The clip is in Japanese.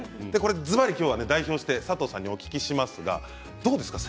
ずばりきょうは代表して佐藤さんにお聞きしますがどうですか？